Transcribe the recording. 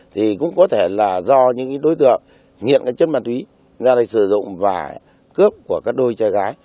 thì cũng có thể là do những đối tượng nghiện cái chất bản thúy ra đây sử dụng và cướp của các đôi trai gái